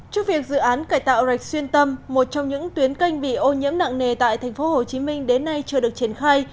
trước việc dự án cải tạo rạch xuyên tâm một trong những tuyến canh bị ô nhiễm nặng nề tại tp hcm đến nay chưa được triển khai